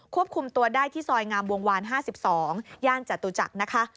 ควบคุมตัวได้ที่ซอยงามวงวาน๕๒ย่านจตุจักรนะคะ